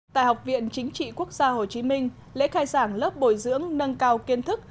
tại học viện chính trị quốc gia hồ chí minh lễ khai giảng lớp bồi dưỡng nâng cao kiến thức